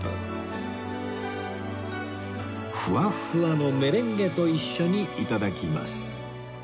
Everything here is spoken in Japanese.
ふわふわのメレンゲと一緒に頂きます